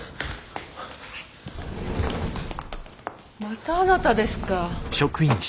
またあなたですか。